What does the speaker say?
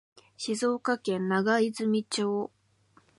静岡県長泉町